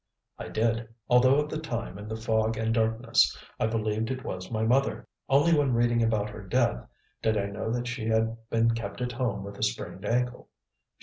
"I did, although at the time in the fog and darkness I believed it was my mother. Only when reading about her death did I know that she had been kept at home with a sprained ankle.